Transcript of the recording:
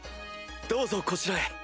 どうぞこちらへ。